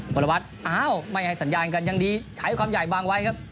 พลวัตรอ้าวไม่ให้สัญญาณกันยังดีใช้ความใหญ่วางไว้ครับ